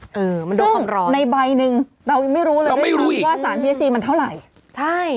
ซึ่งในใบหนึ่งเราไม่รู้เลยว่าสารทีเอสซีมันเท่าไหร่